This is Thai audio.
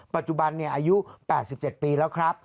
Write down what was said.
ปัจจุบันอายุ๘๗ปีแล้วครับ